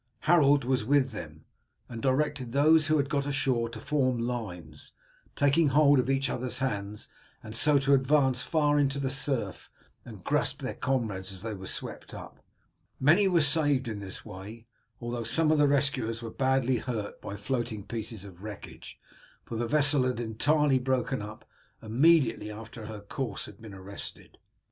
Harold was with them, and directed those who had got ashore to form lines, taking hold of each other's hands, and so to advance far into the surf and grasp their comrades as they were swept up. Many were saved in this way, although some of the rescuers were badly hurt by floating pieces of wreckage, for the vessel had entirely broken up immediately after her course had been arrested.